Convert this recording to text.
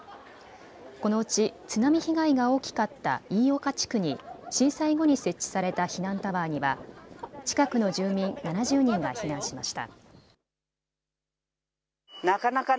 このうち津波被害が大きかった飯岡地区に震災後に設置された避難タワーには近くの住民７０人が避難しました。